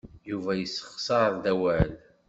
Yuba yessexṣar-d awal.